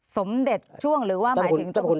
สมเด็จช่วงหรือว่าหมายถึงเจ้าคุณแป๊ะ